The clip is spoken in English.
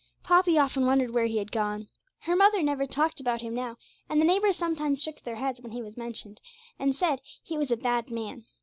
Poppy often wondered where he had gone. Her mother never talked about him now, and the neighbours shook their heads when he was mentioned, and said he was a bad man.